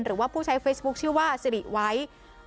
หรือว่าผู้ใช้เฟซบุ๊คชื่อว่าสิริไว้